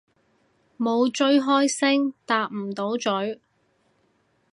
冇追開星搭唔到咀